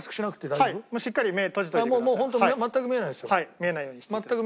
見えないように。